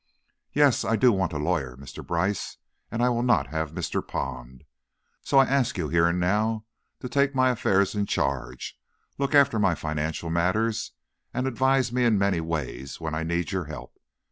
"Yes, I do. I want a lawyer, Mr. Brice, and I will not have Mr. Pond. So I ask you here and now to take my affairs in charge, look after my financial matters, and advise me in many ways when I need your help.